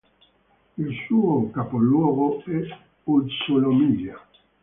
Il suo capoluogo è Utsunomiya.